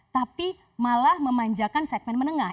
tapi malah memanjakan segmen menengah